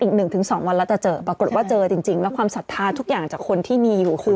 อีก๑๒วันแล้วจะเจอปรากฏว่าเจอจริงแล้วความศรัทธาทุกอย่างจากคนที่มีอยู่คือ